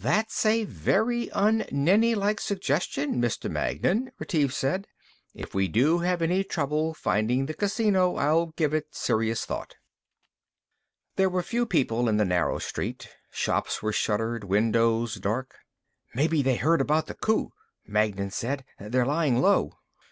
"That's a very un Nenni like suggestion, Mr. Magnan," Retief said. "If we have any trouble finding the casino, I'll give it serious thought." There were few people in the narrow street. Shops were shuttered, windows dark. "Maybe they heard about the coup," Magnan said. "They're lying low."